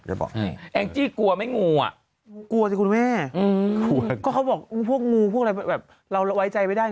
แองจี้กลัวไม่งูอ่ะกลัวสิคุณแม่ก็เขาบอกพวกงูพวกอะไรแบบเราไว้ใจไม่ได้